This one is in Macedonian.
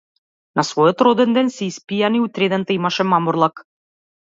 На својот роденден се испијани и утредента имаше мамурлак.